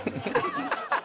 ハハハハ！